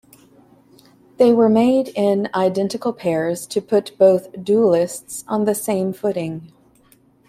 They were made in identical pairs to put both duellists on the same footing.